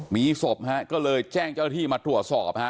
มีศพฮะก็เลยแจ้งเจ้าหน้าที่มาตรวจสอบฮะ